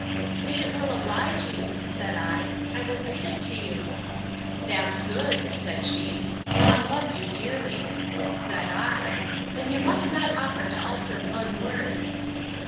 If it will oblige you, said I, I will read it to you. That's good, said she; then I'll love you dearly.—Said I, Then you must not offer to alter one word.